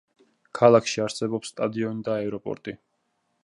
ქალაქში არსებობს სტადიონი და აეროპორტი.